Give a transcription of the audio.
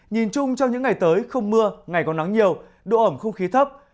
nhìn chung trong những ngày tới không mưa ngày còn nắng nhiều độ ẩm không khí thấp